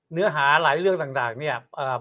เนื้อหาหลายเรื่องต่างเนี่ย